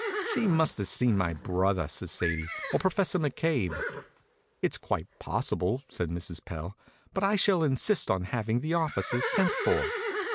"She must have seen my brother," says Sadie, "or Professor McCabe." "It's quite possible," says Mrs. Pell; "but I shall insist on having the officers sent for."